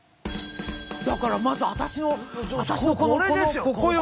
だからまず私のこのここよ。